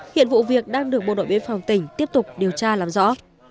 hiện vụ việc đang được bộ đội biên phòng tỉnh tiếp tục điều tra làm rõ